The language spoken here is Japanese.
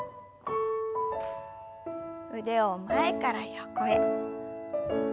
腕を前から横へ。